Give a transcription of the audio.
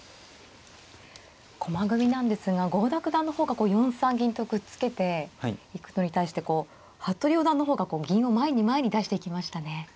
駒組みなんですが郷田九段の方が４三銀とくっつけていくのに対して服部四段の方が銀を前に前に出していきましたね。